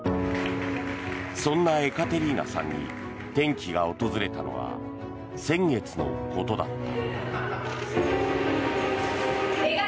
そんなエカテリーナさんに転機が訪れたのは先月のことだった。